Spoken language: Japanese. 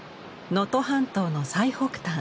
能登半島の最北端。